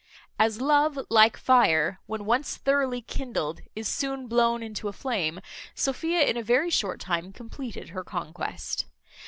As love, like fire, when once thoroughly kindled, is soon blown into a flame, Sophia in a very short time compleated her conquest.